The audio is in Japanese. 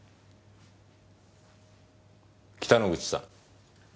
北之口さん。